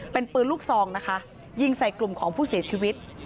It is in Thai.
เป็นปืนลูกซองนะคะยิงใส่กลุ่มของผู้เสียชีวิต